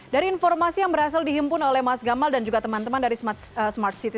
dari informasi yang berhasil dihimpun oleh mas gamal dan juga teman teman dari smart city